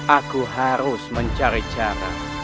aku harus mencari cara